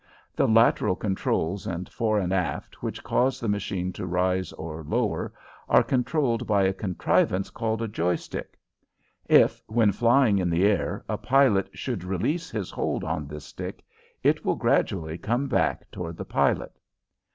The lateral controls and fore and aft, which cause the machine to rise or lower, are controlled by a contrivance called a "joy stick." If, when flying in the air, a pilot should release his hold on this stick, it will gradually come back toward the pilot.